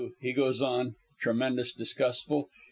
_' he goes on, tremendous disgustful.